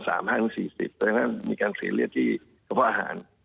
ตัวเองแหละมีการเสียเลือดที่กระเพาะอาหาร